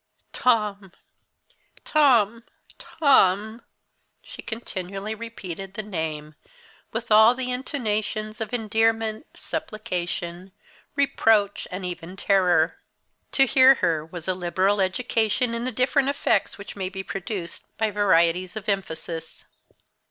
"Tom! Tom! Tom!" She continually repeated the name, with all the intonations of endearment, supplication, reproach, and even terror. To hear her was a liberal education in the different effects which may be produced by varieties of emphasis.